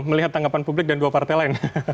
melihat tanggapan publik dan dua partai lain